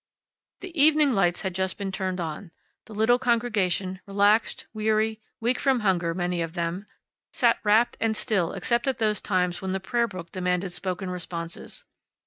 The evening lights had just been turned on. The little congregation, relaxed, weary, weak from hunger, many of them, sat rapt and still except at those times when the prayer book demanded spoken responses.